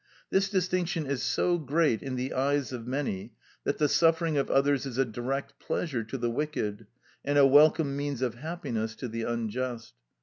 This distinction is so great in the eyes of many that the suffering of others is a direct pleasure to the wicked and a welcome means of happiness to the unjust.